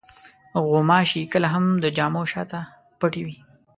غوماشې کله هم د جامو شاته پټې وي.